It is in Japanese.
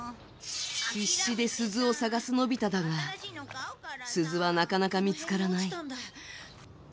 必死で鈴を探すのび太だが鈴はなかなか見つからない。